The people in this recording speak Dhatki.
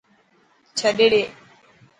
ڇڏي ڏي.